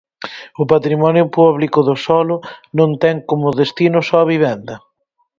O patrimonio público do solo non ten como destino só a vivenda?